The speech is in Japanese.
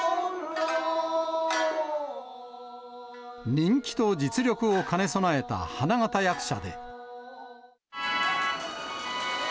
人気と実力を兼ね備えた花形役者で。